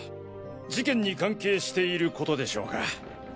事件に関係している事でしょうか？